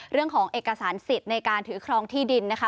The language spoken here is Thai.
เรื่องของเอกสารสิทธิ์ในการถือครองที่ดินนะคะ